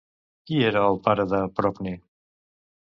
Qui era el pare de Procne?